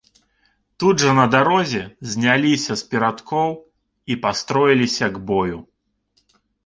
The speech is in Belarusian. Тут жа на дарозе зняліся з перадкоў і пастроіліся к бою.